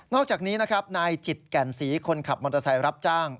อกจากนี้นะครับนายจิตแก่นศรีคนขับมอเตอร์ไซค์รับจ้าง